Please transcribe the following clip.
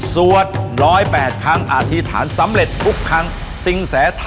สวด๑๐๘ครั้งอธิษฐานสำเร็จทุกครั้ง